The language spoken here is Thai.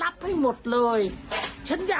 ตอนนี้ไปฟังพี่หายอภพรกันหน่อยค่ะแซวเล่นจนได้เรื่องจ้า